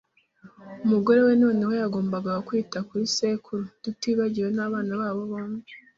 Umugore we noneho yagombaga kwita kuri sekuru, tutibagiwe nabana babo bombi.